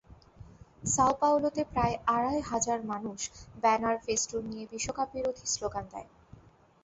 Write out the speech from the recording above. Sao পাওলোতে প্রায় আড়াই হাজার মানুষ ব্যানার-ফেস্টুন নিয়ে বিশ্বকাপবিরোধী স্লোগান দেয়।